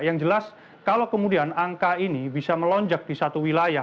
yang jelas kalau kemudian angka ini bisa melonjak di satu wilayah